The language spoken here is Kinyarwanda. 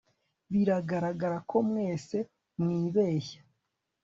Bigaragara ko mwese mwibeshye